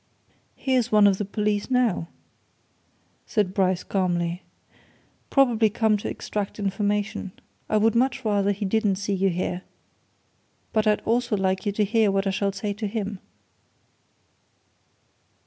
"Here's one of the police, now," said Bryce calmly. "Probably come to extract information. I would much rather he didn't see you here but I'd also like you to hear what I shall say to him.